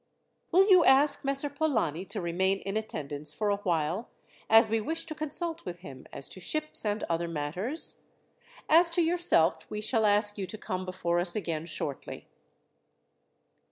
"Will you ask Messer Polani to remain in attendance for a while, as we wish to consult with him as to ships and other matters? As to yourself, we shall ask you to come before us again shortly."